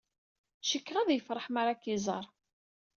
Cikkeɣ ad yefṛeḥ mi ara k-iẓer.